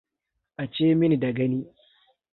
Bace minii da gani.